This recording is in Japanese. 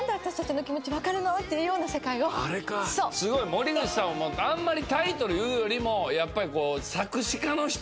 森口さんはあんまりタイトル言うよりもうやっぱりこう。